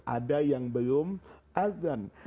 ada yang belum adhan